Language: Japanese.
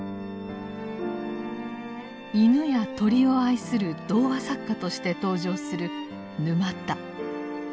犬や鳥を愛する童話作家として登場する「沼田」。